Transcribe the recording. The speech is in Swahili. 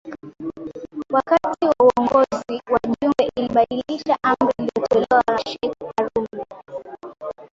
Wakati wa uongozi wa Jumbe alibadilisha amri iliyotolewa na sheikh karume